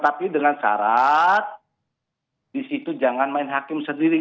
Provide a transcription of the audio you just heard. tapi dengan syarat di situ jangan main hakim sendiri